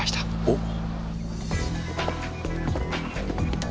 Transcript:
おっ。